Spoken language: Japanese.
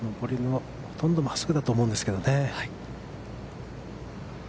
ほとんど真っすぐだと思うんですけどね。